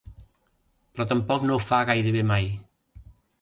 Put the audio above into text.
Però tampoc no ho fa gairebé mai.